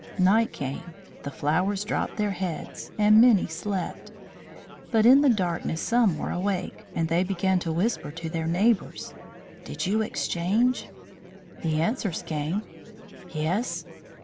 Night came; the flowers dropped their heads, and many slept. But in the darkness some were awake, and they began to whisper to their neighbours: "Did you exchange?" The answers came: "Yes."